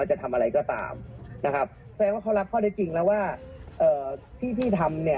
เดี๋ยวทุกคนก็คงจะได้เห็นอะไรดีเยอะ